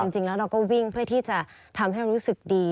จริงแล้วเราก็วิ่งเพื่อที่จะทำให้เรารู้สึกดี